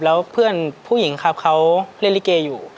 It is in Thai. แล้วเพื่อนผู้หญิงครับเขาเล่นลิเกอยู่